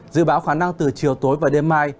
dự báo khả năng từ chiều tối và đêm mai